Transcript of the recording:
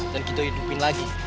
dan kita hidupin lagi